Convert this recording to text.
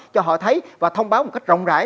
cho họ thấy và thông báo một cách rộng rãi